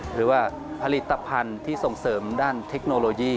หรือว่าผลิตภัณฑ์ที่ส่งเสริมด้านเทคโนโลยี